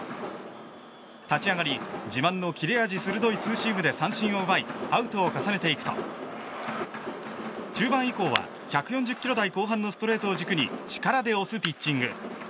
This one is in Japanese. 立ち上がり、自慢の切れ味鋭いツーシームで三振を奪いアウトを重ねていくと中盤以降は１４０キロ台後半のストレートを中心に力で押すピッチング。